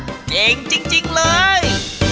เก่งจริงเลย